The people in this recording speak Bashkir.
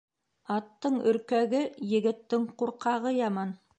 Аттың өркәге, егеттең ҡурҡағы яман.